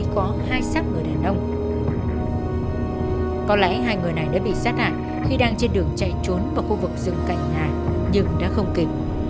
cảm ơn các bạn đã theo dõi